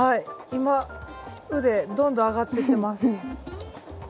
今腕どんどん上がっていってます。